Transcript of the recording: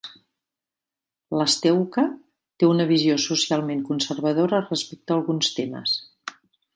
Lastewka té una visió socialment conservadora respecte a alguns temes.